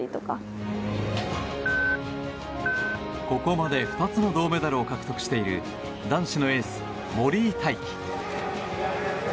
ここまで２つの銅メダルを獲得している男子のエース、森井大輝。